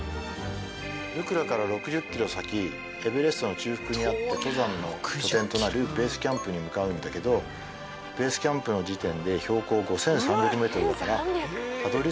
ルクラから６０ｋｍ先エベレストの中腹にあって登山の拠点となるベースキャンプに向かうんだけどそのベースキャンプがこちら。